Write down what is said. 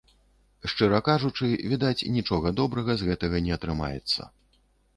Шчыра кажучы, відаць, нічога добрага з гэтага не атрымаецца.